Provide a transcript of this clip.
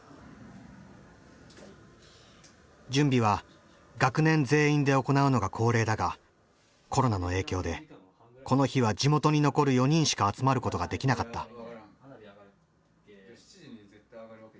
準備は学年全員で行うのが恒例だがコロナの影響でこの日は地元に残る４人しか集まることができなかった。